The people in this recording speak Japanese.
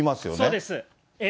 そうです。